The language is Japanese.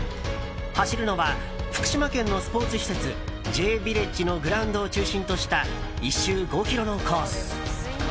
走るのは、福島県のスポーツ施設Ｊヴィレッジのグラウンドを中心とした１周５ｋｍのコース。